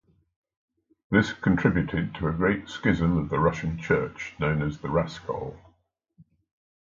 This contributed to a great schism of the Russian church known as the Raskol.